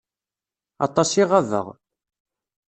Aṭas i ɣabeɣ.